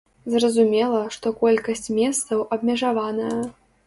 Зразумела, што колькасць месцаў абмежаваная.